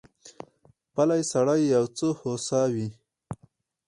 پلی سړی یو څه هوسا وي.